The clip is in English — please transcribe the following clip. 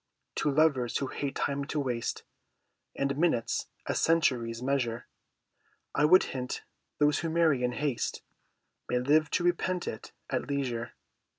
To lovers who hate time to waste, And minutes as centuries measure, I would hint, Those who marry in haste May live to repent it at leisure.